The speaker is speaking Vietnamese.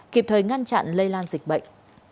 kịp thời ngăn chặn lây lan dịch bệnh